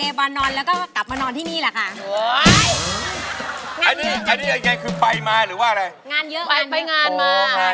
เลบารอนนดรแล้วก็กลับมานอนที่นีแหล่ะค่ะ